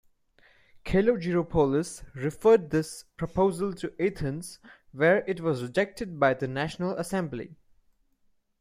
Kalogeropoulos referred this proposal to Athens, where it was rejected by the National Assembly.